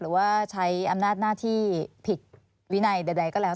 หรือว่าใช้อำนาจหน้าที่ผิดวินัยใดก็แล้ว